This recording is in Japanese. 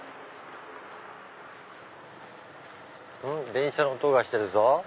電車の音がしてるぞ。